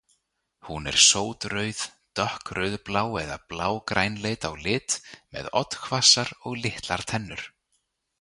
Hún er sótrauð, dökkrauðblá eða blágrænleit á lit með oddhvassar og litlar tennur.